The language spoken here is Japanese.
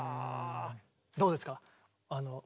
どうですか？